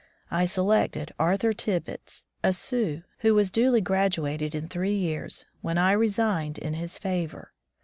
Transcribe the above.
I selected Arthur Tibbetts, a Sioux, who was duly graduated in three years, when I resigned in his favor.